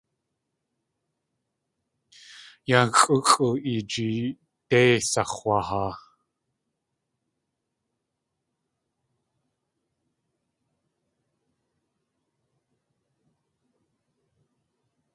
Yáa xʼúxʼ i jeedéi sax̲waahaa.